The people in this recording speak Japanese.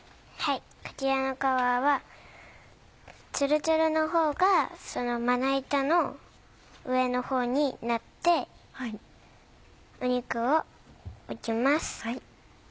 こちらの皮はツルツルのほうがまな板の上のほうになって肉を置きます。